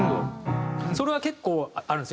それは結構あるんですよ。